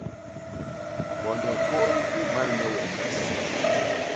Bondokôy i mal me wom mbas.